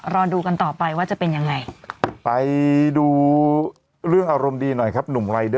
รอดูกันต่อไปว่าจะเปลี่ยงไง